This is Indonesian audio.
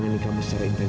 gak mau kan tante